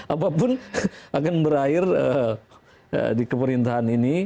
apapun akan berakhir di pemerintahan ini